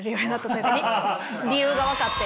理由が分かって。